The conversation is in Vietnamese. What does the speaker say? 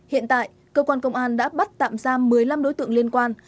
hiện tại cơ quan công an đã bắt tạm giam một mươi năm đối tượng liên quan